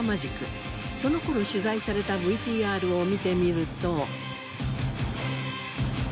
その頃取材されたＶＴＲを見てみると。